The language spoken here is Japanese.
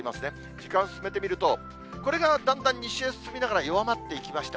時間進めてみると、これがだんだん西へ進みながら弱まっていきました。